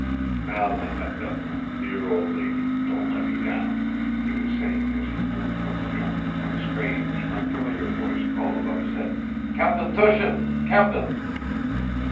"Now then, Matvévna, dear old lady, don't let me down!" he was saying as he moved from the gun, when a strange, unfamiliar voice called above his head: "Captain Túshin! Captain!"